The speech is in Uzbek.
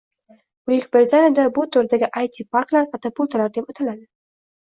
Buyuk Britaniyada bu turdagi AyTi parklar “katapultalar” deb ataladi.